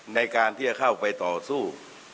ในการที่จะเข้าไปต่อสู้